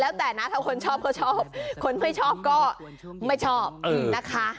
แล้วแต่นะถ้าคนชอบก็ชอบคนไม่ชอบก็ไม่ชอบนะคะ